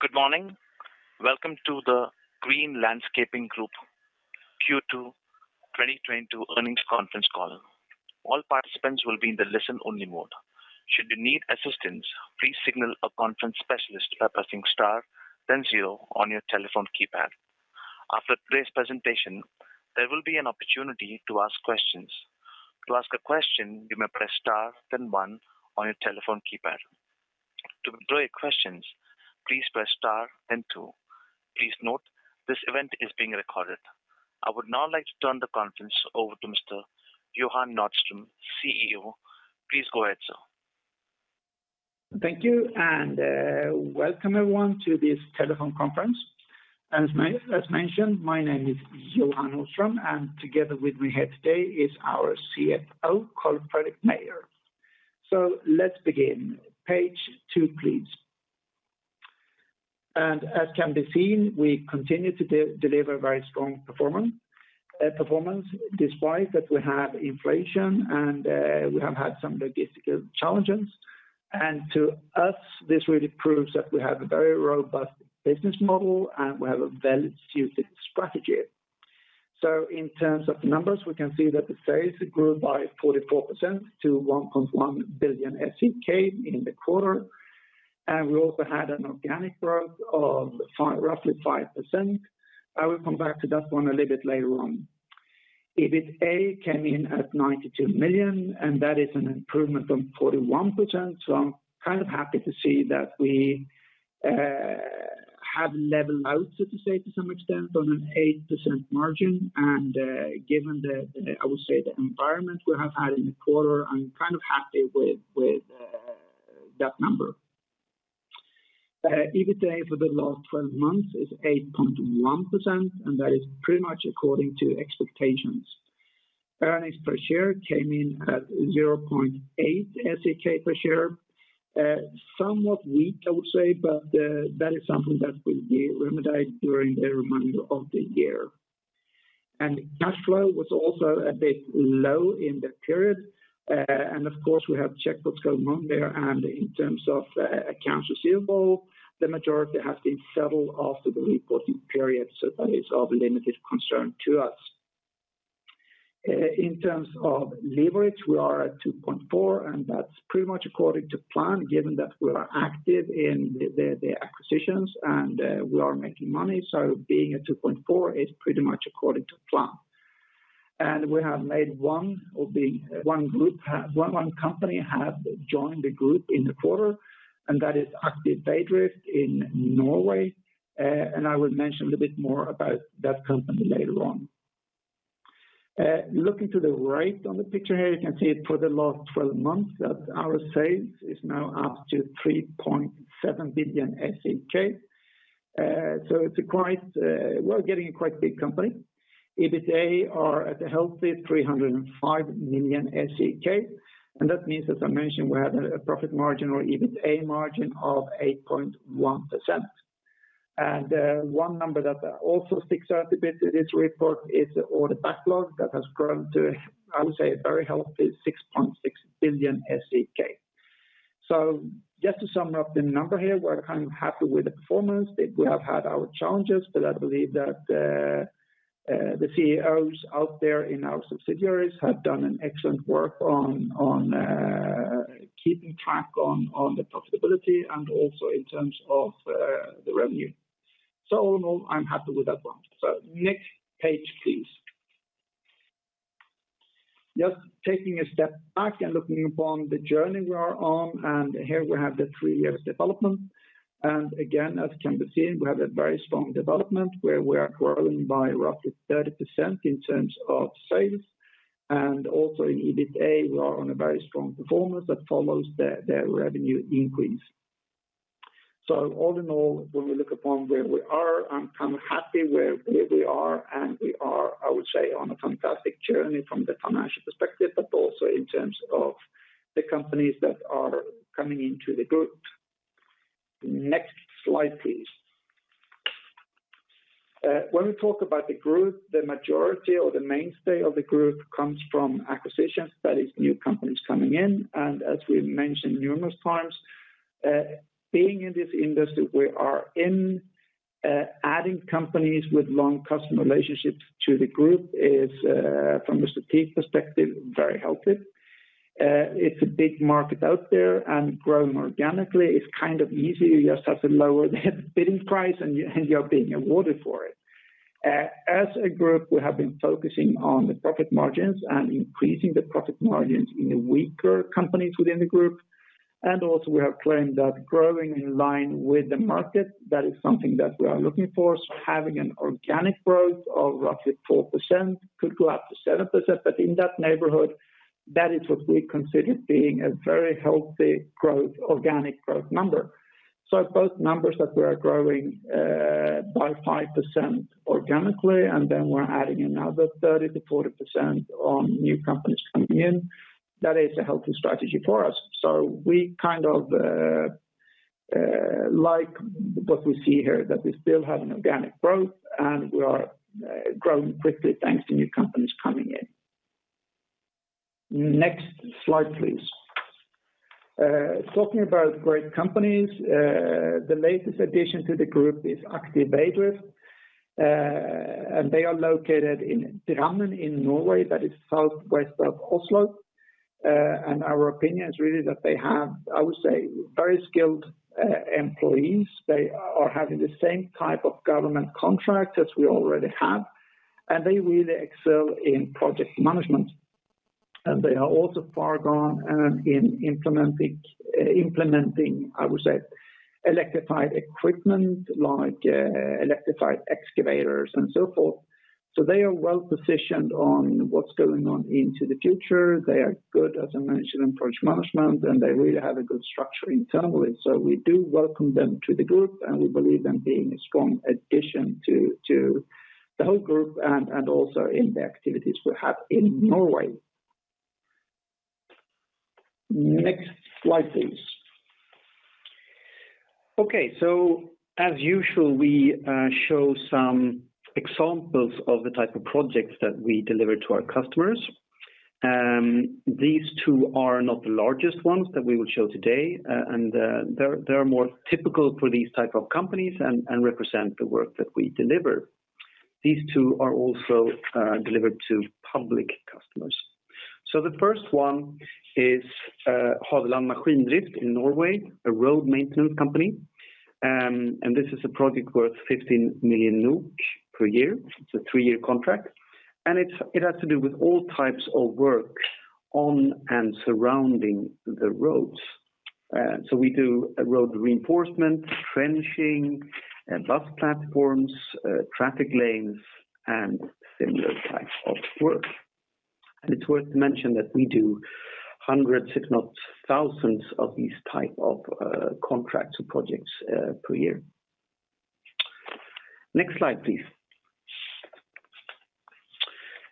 Good morning. Welcome to the Green Landscaping Group Q2, 2022 Earnings Conference Call. All participants will be in the listen-only mode. Should you need assistance, please signal a conference specialist by pressing star then zero on your telephone keypad. After today's presentation, there will be an opportunity to ask questions. To ask a question, you may press star then one on your telephone keypad. To withdraw your questions, please press star then two. Please note, this event is being recorded. I would now like to turn the conference over to Mr. Johan Nordström, CEO. Please go ahead, sir. Thank you, and, welcome everyone to this telephone conference. As mentioned, my name is Johan Nordström, and together with me here today is our CFO, Carl-Fredrik Meijer. Let's begin. Page two, please. As can be seen, we continue to deliver very strong performance despite that we have inflation and, we have had some logistical challenges. To us, this really proves that we have a very robust business model, and we have a very suited strategy. In terms of numbers, we can see that the sales grew by 44% to 1.1 billion SEK in the quarter. We also had an organic growth of roughly 5%. I will come back to that one a little bit later on. EBITDA came in at 92 million, and that is an improvement of 41%. I'm happy to see that we have levelled out, so to say, to some extent on an 8% margin. Given the environment we have had in the quarter, I'm happy with that number. EBITDA for the last 12 months is 8.1%, and that is pretty much according to expectations. Earnings per share came in at 0.8 SEK per share. Somewhat weak, I would say, but that is something that will be remedied during the remainder of the year. Cash flow was also a bit low in the period. Of course, we have checked what's going on there. In terms of accounts receivable, the majority has been settled after the reporting period, so that is of limited concern to us. In terms of leverage, we are at 2.4, and that's pretty much according to plan, given that we are active in the acquisitions and we are making money. Being at 2.4 Is pretty much according to plan. We have made one company have joined the group in the quarter, and that is Aktiv Veidrift in Norway. I will mention a little bit more about that company later on. Looking to the right on the picture here, you can see it for the last twelve months that our sales is now up to 3.7 billion. It's quite. We're getting a quite big company. EBITDA are at a healthy 305 million SEK. That means, as I mentioned, we have a profit margin or EBITDA margin of 8.1%. One number that also sticks out a bit in this report is order backlog that has grown to, I would say, a very healthy 6.6 billion SEK. Just to sum up the number here, we're happy with the performance that we have had our challenges, but I believe that the CEOs out there in our subsidiaries have done an excellent work on keeping track on the profitability and also in terms of the revenue. All in all, I'm happy with that one. Next page, please. Just taking a step back and looking upon the journey we are on, and here we have the three-year development. Again, as can be seen, we have a very strong development where we are growing by roughly 30% in terms of sales. Also in EBITDA, we are on a very strong performance that follows the revenue increase. All in all, when we look upon where we are, I'm kind of happy where we are, and we are, I would say, on a fantastic journey from the financial perspective, but also in terms of the companies that are coming into the group. Next slide, please. When we talk about the group, the majority or the mainstay of the group comes from acquisitions, that is new companies coming in. As we mentioned numerous times, being in this industry we are in, adding companies with long customer relationships to the group is, from a strategic perspective, very healthy. It's a big market out there, and growing organically is kind of easy. You just have to lower the bidding price, and you're being awarded for it. As a group, we have been focusing on the profit margins and increasing the profit margins in the weaker companies within the group. Also we have claimed that growing in line with the market, that is something that we are looking for. Having an organic growth of roughly 4% could go up to 7%. In that neighbourhood, that is what we consider being a very healthy growth, organic growth number. Both numbers that we are growing by 5% organically, and then we're adding another 30% to 40% on new companies coming in, that is a healthy strategy for us. We kind of like what we see here, that we still have an organic growth, and we are growing quickly, thanks to new companies coming in. Next slide, please. Talking about great companies, the latest addition to the group is Aktiv Veidrift, and they are located in Drammen in Norway, that is southwest of Oslo. Our opinion is really that they have, I would say, very skilled employees. They are having the same type of government contract as we already have, and they really excel in project management. They are also far along in implementing, I would say, electrified equipment like electrified excavators and so forth. They are well-positioned on what's going on into the future. They are good, as I mentioned, in project management, and they really have a good structure internally. We do welcome them to the group, and we believe them being a strong addition to the group and also in the activities we have in Norway. Next slide, please. Okay. As usual, we show some examples of the type of projects that we deliver to our customers. These two are not the largest ones that we will show today. They're more typical for these type of companies and represent the work that we deliver. These two are also delivered to public customers. The first one is Hadeland Maskindrift in Norway, a road maintenance company. This is a project worth 15 million per year. It's a three-year contract, and it has to do with all types of work on and surrounding the roads. We do a road reinforcement, trenching, bus platforms, traffic lanes, and similar types of work. It's worth to mention that we do hundreds, if not thousands, of these type of contracts or projects per year. Next slide, please.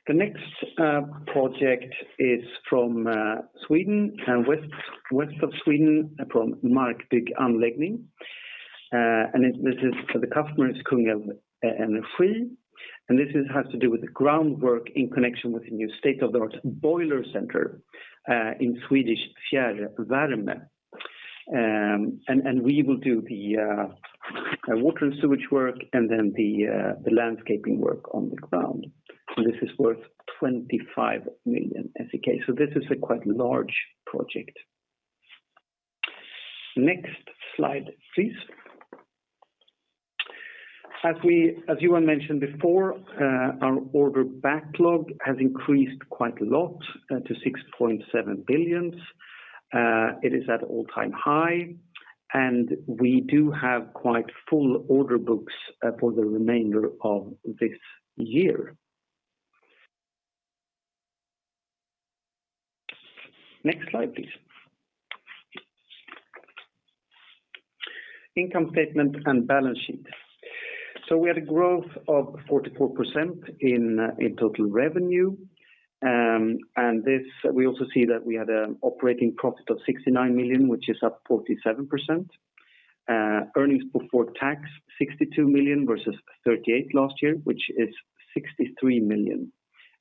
The next project is from Sweden, West of Sweden, from Markbygg Anläggning. This is for the customer, Kungälv Energi, and this has to do with the groundwork in connection with the new state-of-the-art boiler center, in Swedish, Fjärrvärme. We will do the water and sewage work and then the landscaping work on the ground. This is worth 25 million SEK. This is a quite large project. Next slide, please. As Johan mentioned before, our order backlog has increased quite a lot to 6.7 billion. It is at all-time high, and we do have quite full order books for the remainder of this year. Next slide, please. Income statement and balance sheet. We had a growth of 44% in total revenue. We also see that we had an operating profit of 69 million, which is up 47%. Earnings before tax, 62 million versus 38 million last year, which is up 63%.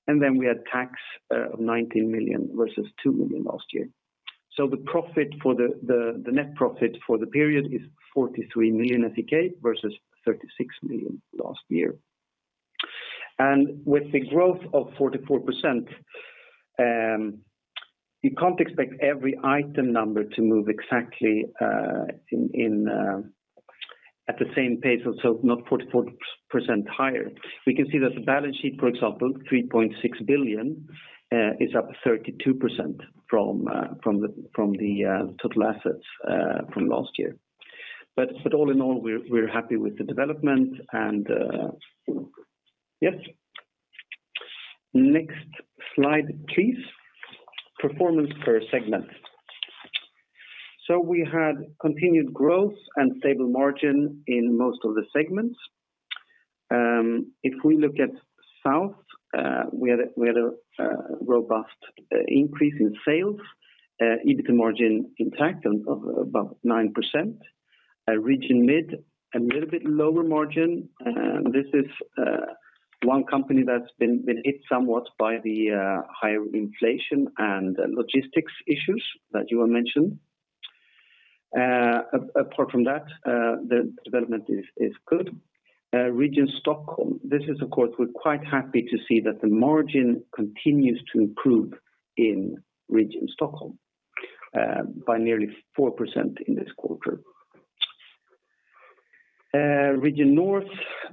Then we had tax of 19 million versus 2 million last year. The net profit for the period is 43 million SEK versus 36 million last year. With the growth of 44%, you can't expect every [item] number to move exactly at the same pace, so not 44% higher. We can see that the balance sheet, for example, 3.6 billion, is up 32% from the total assets from last year. All in all, we're happy with the development and yes. Next slide, please. Performance per segment. We had continued growth and stable margin in most of the segments. If we look at South, we had a robust increase in sales, EBITDA margin intact of about 9%. Region Mid, a little bit lower margin. This is one company that's been hit somewhat by the higher inflation and logistics issues that Johan mentioned. Apart from that, the development is good. Region Stockholm, this is, of course, we're quite happy to see that the margin continues to improve in Region Stockholm by nearly 4% in this quarter. Region North,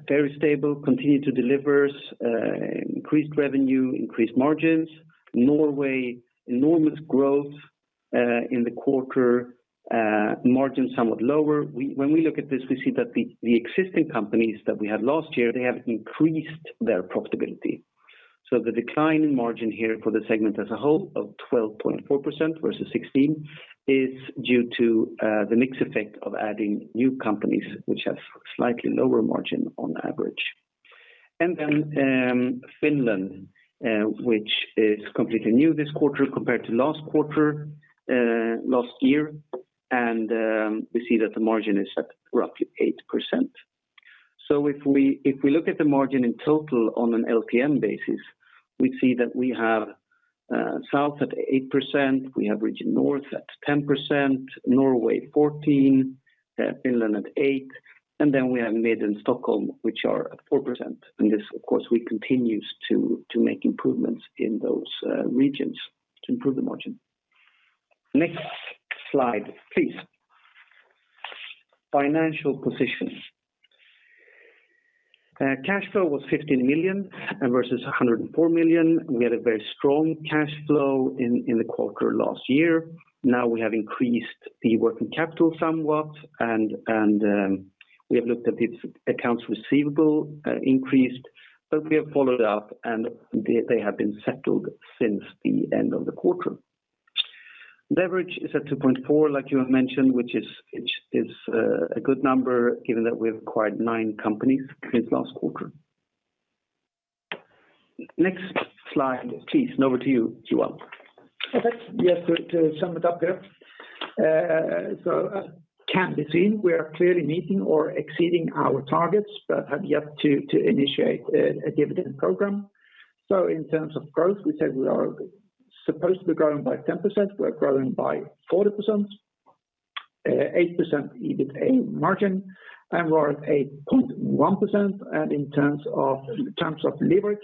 very stable, continue to delivers increased revenue, increased margins. Norway, enormous growth in the quarter, margin somewhat lower. When we look at this, we see that the existing companies that we had last year, they have increased their profitability. The decline in margin here for the segment as a whole of 12.4% versus 16% is due to the mix effect of adding new companies which have slightly lower margin on average. Finland, which is completely new this quarter compared to last quarter, last year. We see that the margin is at roughly 8%. If we look at the margin in total on an LTM basis, we see that we have South at 8%, we have region North at 10%, Norway 14%, Finland at 8%, and then we have Mid and Stockholm, which are at 4%. This of course will continues to make improvements in those regions to improve the margin. Next slide, please. Financial position. Cash flow was 15 million versus 104 million. We had a very strong cash flow in the quarter last year. Now we have increased the working capital somewhat and we have looked at its accounts receivable increased, but we have followed up and they have been settled since the end of the quarter. Leverage is at 2.4, like you have mentioned, which is a good number given that we acquired nine companies since last quarter. Next slide, please. Over to you, Johan. Okay. Yes. To sum it up here. As it can be seen, we are clearly meeting or exceeding our targets, but have yet to initiate a dividend program. In terms of growth, we said we are supposed to be growing by 10%, we're growing by 40%, 8% EBITDA margin, and we're at 8.1%. In terms of leverage,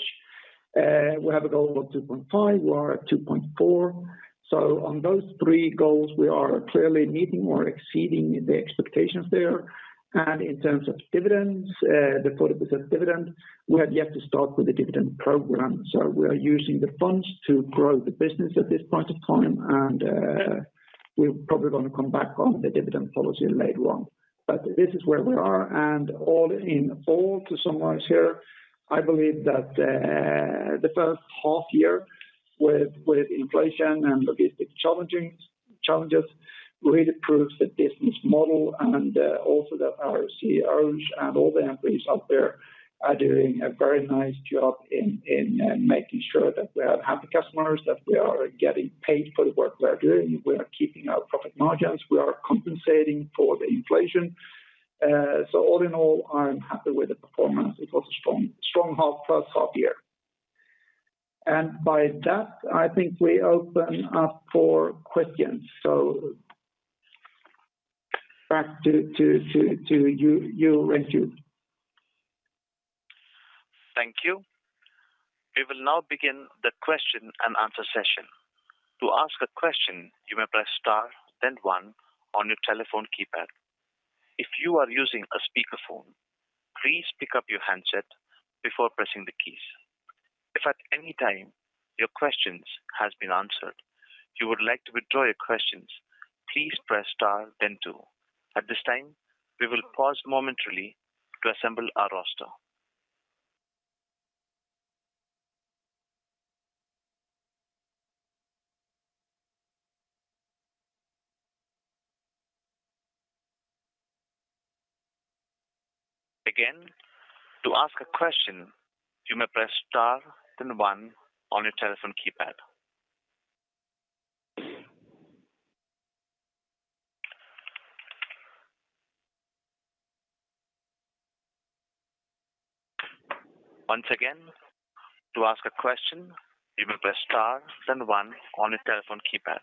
we have a goal of 2.5, we are at 2.4. On those three goals, we are clearly meeting or exceeding the expectations there. In terms of dividends, the 40% dividend, we have yet to start with the dividend program. We are using the funds to grow the business at this point of time. We're probably gonna come back on the dividend policy later on. This is where we are. All in all, to summarize here, I believe that the H1 year with inflation and logistic challenges really proves the business model and also that our CEOs and all the employees out there are doing a very nice job in making sure that we have happy customers, that we are getting paid for the work we are doing. We are keeping our profit margins. We are compensating for the inflation. All in all, I'm happy with the performance. It was a strong H1 year. By that, I think we open up for questions. Back to you, Raju. Thank you. We will now begin the question and answer session. To ask a question, you may press star then one on your telephone keypad. If you are using a speaker phone, please pick up your handset before pressing the keys. If at any time your questions has been answered, you would like to withdraw your questions, please press star then two. At this time, we will pause momentarily to assemble our roster. Again, to ask a question, you may press star then one on your telephone keypad. Once again, to ask a question, you may press star then one on your telephone keypad.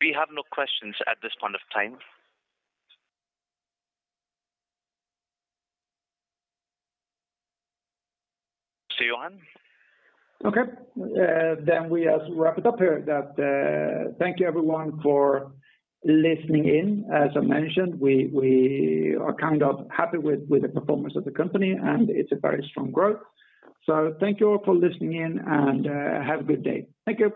We have no questions at this point of time. Johan? Okay. We just wrap it up here that, thank you everyone for listening in. As I mentioned, we are kind of happy with the performance of the company, and it's a very strong growth. Thank you all for listening in, and, have a good day. Thank you.